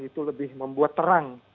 itu lebih membuat terang